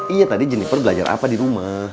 iya tadi jenniper belajar apa di rumah